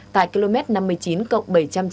tại km năm mươi chín cộng bảy trăm chín mươi